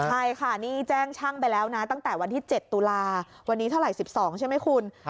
ใช่ค่ะนี่แจ้งช่างไปแล้วนะตั้งแต่วันที่๗ตุลาวันนี้เท่าไหร่๑๒ใช่ไหมคุณ